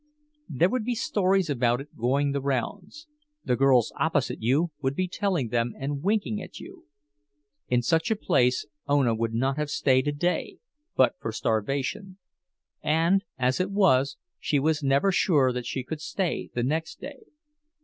There would be stories about it going the rounds; the girls opposite you would be telling them and winking at you. In such a place Ona would not have stayed a day, but for starvation; and, as it was, she was never sure that she could stay the next day.